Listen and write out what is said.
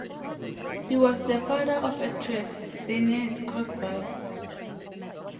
He was the father of actress Denise Crosby.